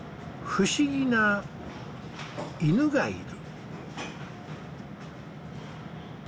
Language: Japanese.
不思議な犬がいる。